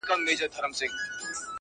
زه درسره ومه، خو ته راسره نه پاته سوې,